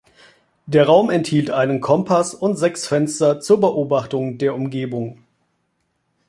Der Raum enthielt einen Kompass und sechs Fenster zur Beobachtung der Umgebung.